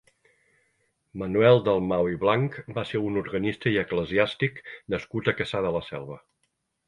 Manuel Dalmau i Blanch va ser un organista i eclesiàstic nascut a Cassà de la Selva.